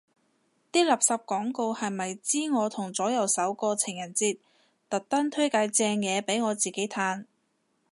啲垃圾廣告係咪知我同左右手過情人節，特登推介正嘢俾我自己嘆